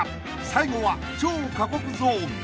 ［最後は超過酷ゾーン］